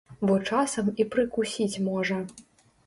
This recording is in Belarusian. Бо часам і прыкусіць можа.